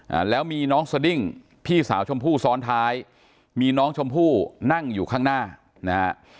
อ่าแล้วมีน้องสดิ้งพี่สาวชมพู่ซ้อนท้ายมีน้องชมพู่นั่งอยู่ข้างหน้านะฮะ